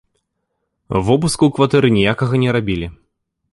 Вобыску ў кватэры ніякага не рабілі.